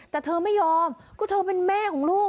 แต่เธอไม่ยอมก็เธอเป็นแม่ของลูก